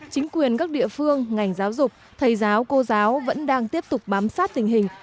chính quyền các địa phương ngành giáo dục thầy giáo cô giáo vẫn đang tiếp tục bám sát tình hình